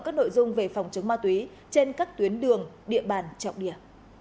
các nội dung về phòng chống ma túy trên các tuyến đường địa bàn trọng điểm